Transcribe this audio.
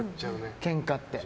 ケンカって。